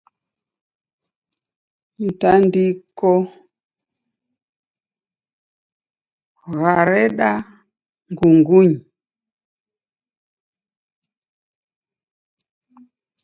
Mtandiko ghareda ngungunyi.